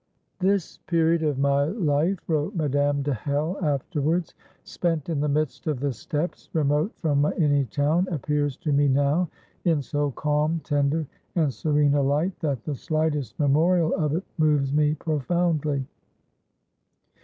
"This period of my life," wrote Madame de Hell, afterwards, "spent in the midst of the steppes, remote from any town, appears to me now in so calm, tender, and serene a light, that the slightest memorial of it moves me profoundly.